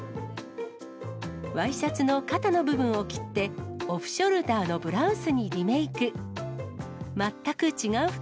ワイシャツの肩の部分を切って、オフショルダーのブラウスにリメーク。